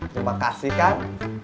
terima kasih kan